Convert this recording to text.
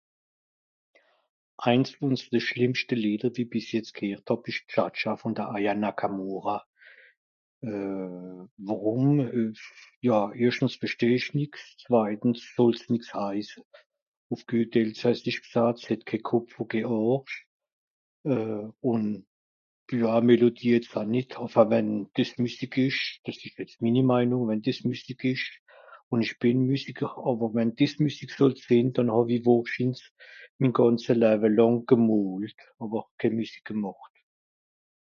Eins vùn de schlìmmschte Lìeder, wie i bìs jetz gheert hàb, ìsch dja-dja vùn de Aya Nakamura. Euh... worùm ? Ja. Erschtens versteh ich nix, zweitens soll's nix heise. Ùff guet elsassisch gsaat, s'het ké Kopf ù ké Àrsch. Euh... ùn ja d'Mélodie het m'r nìt..., enfin wenn, dìs Müsik ìsch, dìs ìsch jetz minni Meinùng, wenn dìs Müsik ìsch, ùn ìch bìn Müsiker àwer wenn dìs Müsik sott sìnn, dànn hàw-i wohrschinns min gànze Läwe làng gemoolt, àwer kén Müsik gemàcht.